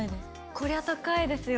こりゃ高いですよ。